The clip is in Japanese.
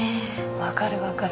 分かる分かる。